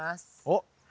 おっ。